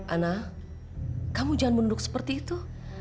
ana kamu jangan mundur seperti itu